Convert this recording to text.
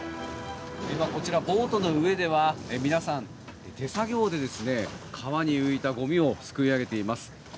今、こちらボートの上では皆さん、手作業で川に浮いたゴミをすくい上げています。